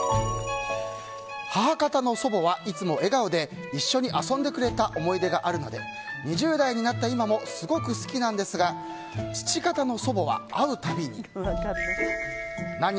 母方の祖母はいつも笑顔で一緒に遊んでくれた思い出があるので２０代になった今もすごく好きなんですが父方の祖母は、会う度に何？